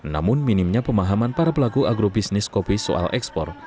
namun minimnya pemahaman para pelaku agrobisnis kopi soal ekspor